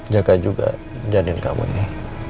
jaga juga janganin kamu ini